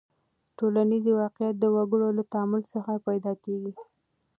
ټولنیز واقعیت د وګړو له تعامل څخه پیدا کېږي.